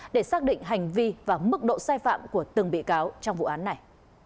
để xác định hành vi và mức độ sai phạm của từng bị cáo trong vụ án này